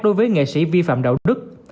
đối với nghệ sĩ vi phạm đạo đức